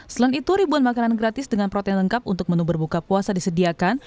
selain itu ribuan makanan gratis dengan protein lengkap untuk menu berbuka puasa disediakan